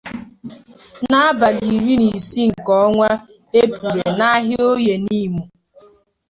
n'abalị iri na isii nke ọnwa Epure n'ahịa Oye Nimo